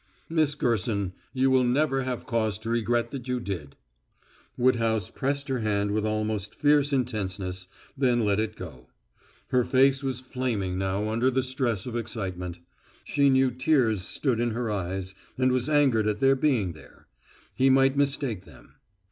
"Miss Gerson, you will never have cause to regret that you did." Woodhouse pressed her hand with almost fierce intenseness, then let it go. Her face was flaming now under the stress of excitement. She knew tears stood in her eyes, and was angered at their being there; he might mistake them.